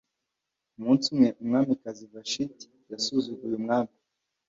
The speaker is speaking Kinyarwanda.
Umunsi umwe umwamikazi Vashiti yasuzuguye umwami